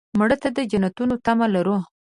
مړه ته د جنتونو تمه لرو